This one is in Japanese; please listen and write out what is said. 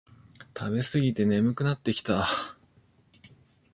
食べすぎて眠くなってきた